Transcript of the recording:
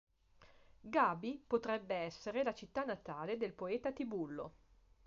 Gabi potrebbe essere la città natale del poeta Tibullo.